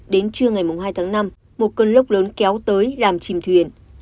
đến trưa ngày hai tháng năm một cơn lốc lớn kéo tới làm chìm thuyền